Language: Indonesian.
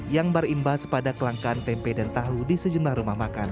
yang berimbas pada kelangkaan tempe dan tahu di sejumlah rumah makan